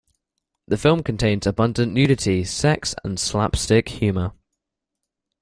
The film contains abundant nudity, sex and slapstick humor.